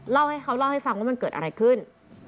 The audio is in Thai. เล่าให้เขาเล่าให้ฟังว่ามันเกิดอะไรขึ้น